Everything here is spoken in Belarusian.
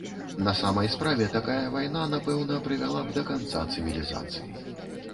На самай справе, такая вайна, напэўна, прывяла б да канца цывілізацыі.